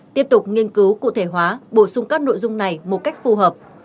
tiếp tục nghiên cứu cụ thể hóa bổ sung các nội dung này một cách phù hợp